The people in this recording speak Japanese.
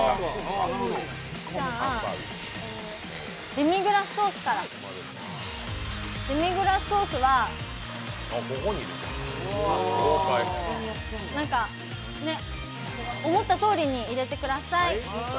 じゃあデミグラスソースからデミグラスソースは思ったとおりに入れてください。